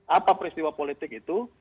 apa peristiwa politik itu